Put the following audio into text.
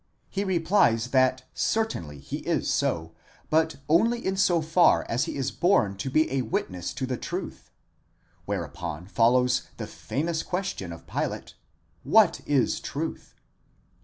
he replies that certainly he is so, but only in so far as he is born to be a witness to the truth: whereupon follows the famous question of Pilate: What ts truth?